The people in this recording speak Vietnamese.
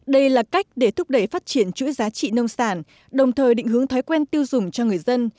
đây là cách để thúc đẩy phát triển chuỗi giá trị nông sản đồng thời định hướng thói quen tiêu dùng cho người dân